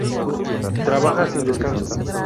Trabaja sin descanso.